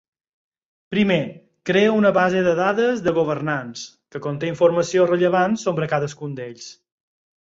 Primer, crea una base de dades de governants, que conté informació rellevant sobre cadascun d'ells.